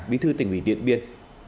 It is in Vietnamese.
bí thư tỉnh ủy điện biên